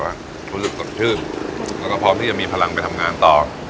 รู้สึกสดชื่นแล้วก็พร้อมที่จะมีพลังไปทำงานต่อ